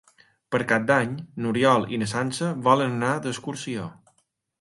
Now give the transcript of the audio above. Per Cap d'Any n'Oriol i na Sança volen anar d'excursió.